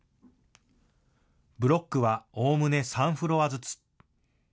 ブロックはおおむね３フロアずつ。